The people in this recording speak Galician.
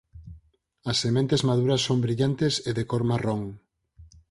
As sementes maduras son brillantes e de cor marrón.